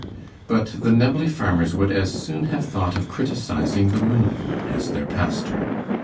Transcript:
But the Knebley farmers would as soon have thought of criticizing the moon as their pastor.